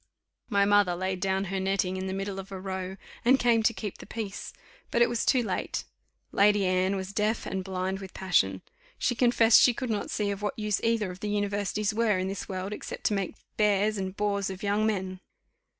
My mother laid down her netting in the middle of a row, and came to keep the peace. But it was too late; Lady Anne was deaf and blind with passion. She confessed she could not see of what use either of the universities were in this world, except to make bears and bores of young men.